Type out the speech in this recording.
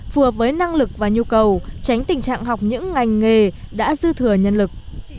phù hợp với năng lực và nhu cầu tránh tình trạng học những ngành nghề đã dư thừa nhân lực